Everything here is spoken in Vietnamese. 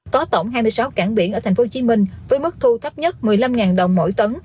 có tổng hai mươi sáu cảng biển ở tp hcm với mức thu thấp nhất một mươi năm đồng mỗi tấn